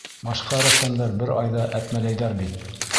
Башҡа рәссамдар бер айҙа әтмәләйҙәр бит.